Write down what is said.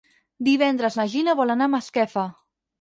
Divendres na Gina vol anar a Masquefa.